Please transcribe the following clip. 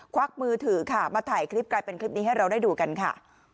วักมือถือค่ะมาถ่ายคลิปกลายเป็นคลิปนี้ให้เราได้ดูกันค่ะ